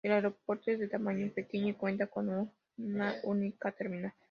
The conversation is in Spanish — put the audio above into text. El aeropuerto es de tamaño pequeño y cuenta con una única terminal.